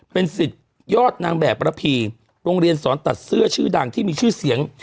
เป็นสิทธิ์ยอดนางแบบระพีโรงเรียนสอนตัดเสื้อชื่อดังที่มีชื่อเสียง